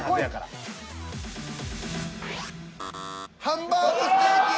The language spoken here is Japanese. ハンバーグステーキ！